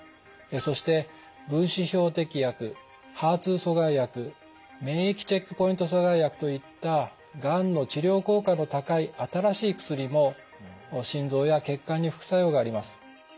そして分子標的薬ＨＥＲ２阻害薬免疫チェックポイント阻害薬といったがんの治療効果の高い新しい薬も心臓や血管に副作用があります。